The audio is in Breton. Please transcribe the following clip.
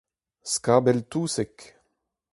Skabell-touseg.